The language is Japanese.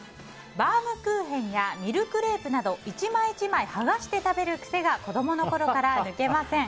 バウムクーヘンやミルクレープなど、１枚１枚剥がして食べる癖が子供のころから抜けません。